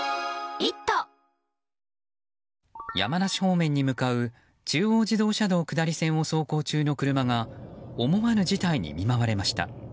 山梨方面に向かう中央自動車道下り線を走行中の車が思わぬ事態に見舞われました。